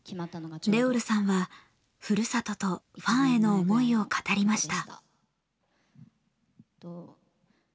Ｒｅｏｌさんはふるさととファンへの思いを語りました。